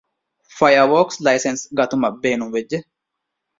ފަޔަރވޯލް ލައިސަންސް ގަތުމަށް ބޭނުންވެއްޖެ